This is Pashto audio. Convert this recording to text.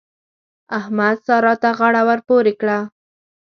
احمد؛ سارا ته غاړه ور پورې کړه.